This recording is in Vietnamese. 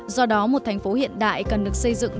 do đó một thành phố hiện đại cần được xây dựng